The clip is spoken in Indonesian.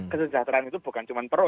kesejahteraan itu bukan cuma perlu